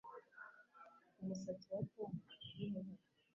Umusatsi wa Tom ni irihe bara